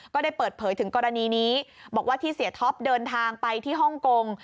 ก็ได้เปิดเผยถึงกรณีนี้บอกว่าที่เสียท็อปเดินทางไปที่ฮ่องกง